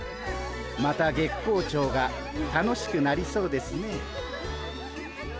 また月光町が楽しくなりそうですね。